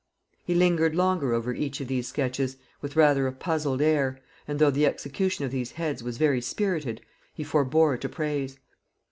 He lingered longer over each of these sketches, with rather a puzzled air, and though the execution of these heads was very spirited, he forbore to praise.